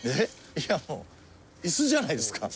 いやもう椅子じゃないですか。